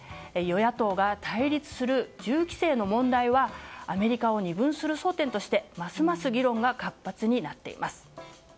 与野党が対立する銃規制の問題はアメリカを二分する争点としてますます議論が活発になっています。